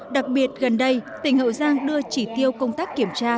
đặc biệt gần đây tỉnh hậu giang đưa chỉ tiêu công tác kiểm tra